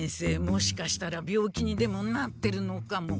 もしかしたら病気にでもなってるのかも。